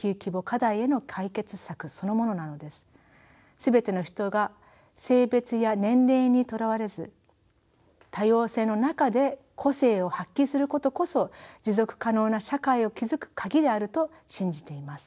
全ての人が性別や年齢にとらわれず多様性の中で個性を発揮することこそ持続可能な社会を築く鍵であると信じています。